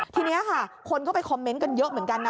ทีนี้ค่ะคนก็ไปคอมเมนต์กันเยอะเหมือนกันนะ